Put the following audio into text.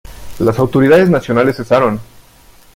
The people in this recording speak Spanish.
Las autoridades nacionales cesaron.